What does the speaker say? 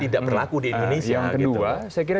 tidak berlaku di indonesia yang kedua saya kira